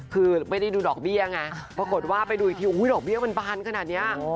คือไม่ได้ดูดอกเบี้ยไงปรากฏว่าไปดูอีกทีดอกเบี้ยมันบานขนาดนี้